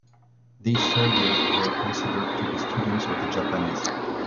These soldiers were considered to be students of the Japanese.